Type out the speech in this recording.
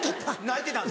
泣いてた。